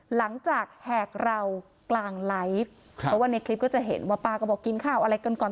แหกเรากลางไลฟ์ครับเพราะว่าในคลิปก็จะเห็นว่าป้าก็บอกกินข้าวอะไรกันก่อน